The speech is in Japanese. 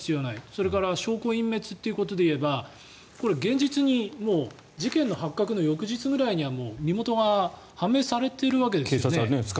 それから証拠隠滅ということでいえばこれ、現実に事件の発覚の翌日ぐらいにはもう身元が判明されているわけですよね。